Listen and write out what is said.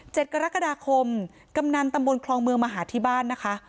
กรกฎาคมกำนันตำบลคลองเมืองมาหาที่บ้านนะคะ